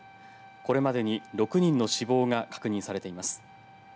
これまでに６人の死亡が確認されています。